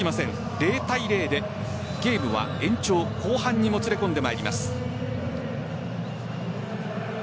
０対０でゲームは延長後半にもつれ込んでまいります。